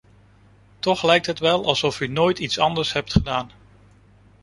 Toch lijkt het wel alsof u nooit iets anders hebt gedaan.